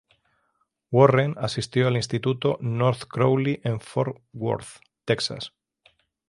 Warren asistió al Instituto North Crowley en Fort Worth, Texas.